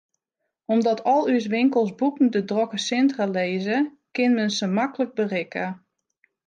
Omdat al ús winkels bûten de drokke sintra lizze, kin men se maklik berikke.